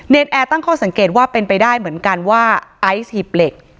แอร์ตั้งข้อสังเกตว่าเป็นไปได้เหมือนกันว่าไอซ์หีบเหล็ก